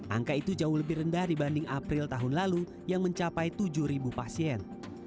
angka itu jauh lebih rendah dibanding april tahun lalu yang mencapai tujuh pasien